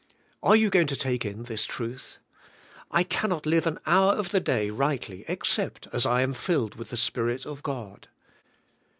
Are you going to take in this truth? I cannot live an hour of the day rightly except as I am filled with the Spirit of God.